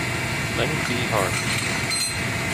Lenny B. Hart.